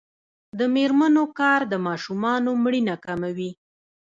د میرمنو کار د ماشومانو مړینه کموي.